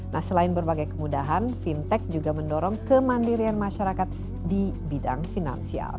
nah selain berbagai kemudahan fintech juga mendorong kemandirian masyarakat di bidang finansial